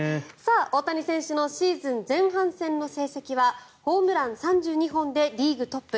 大谷選手のシーズン前半戦の成績はホームラン３２本でリーグトップ。